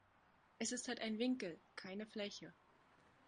Es ist halt ein Winkel, keine Fläche.